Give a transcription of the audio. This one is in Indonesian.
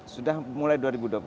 sudah mulai dua ribu dua puluh satu